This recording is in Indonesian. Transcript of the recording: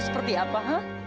ibu seperti apa